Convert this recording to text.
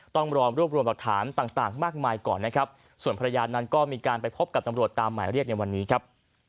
ต้องรอรวบรวมหลักฐานต่างต่างมากมายก่อนนะครับส่วนภรรยานั้นก็มีการไปพบกับตำรวจตามหมายเรียกในวันนี้ครับ